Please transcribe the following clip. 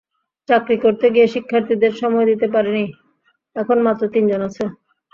চাকরি করতে গিয়ে শিক্ষার্থীদের সময় দিতে পারিনি, এখন মাত্র তিনজন আছে।